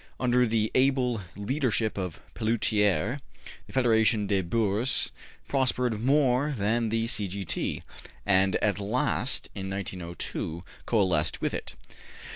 Under the able leadership of Pelloutier, the Federation des Bourses prospered more than the C. G. T., and at last, in 1902, coalesced with it.